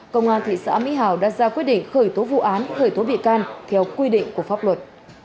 công an thị xã mỹ hào đã ra quyết định khởi tố vụ án khởi tố bị can theo quy định của pháp luật